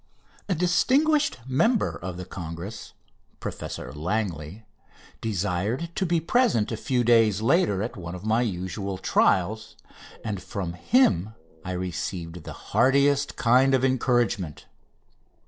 4"] A distinguished member of the Congress, Professor Langley, desired to be present a few days later at one of my usual trials, and from him I received the heartiest kind of encouragement.